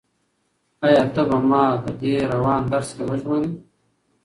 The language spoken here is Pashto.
ایا ته به ما له دې روان درد څخه وژغورې؟